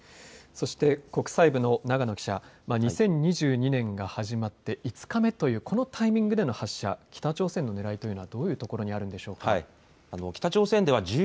そして、国際部の長野記者、２０２２年が始まって５日目というこのタイミングでの発射、北朝鮮のねらいというのはどういうところにあるんでしょうか。